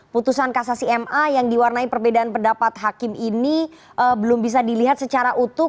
putusan kasasi ma yang diwarnai perbedaan pendapat hakim ini belum bisa dilihat secara utuh